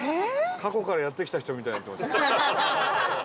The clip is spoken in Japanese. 過去からやって来た人みたいになってます。